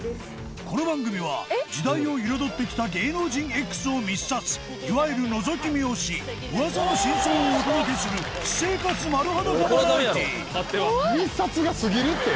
この番組は時代を彩ってきた芸能人 Ｘ を密撮いわゆるのぞき見をし噂の真相をお届けする私生活丸裸バラエティ怖い！密撮が過ぎるって。